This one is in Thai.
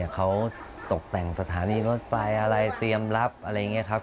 เขาตกแต่งสถานีรถไฟอะไรเตรียมรับอะไรอย่างนี้ครับ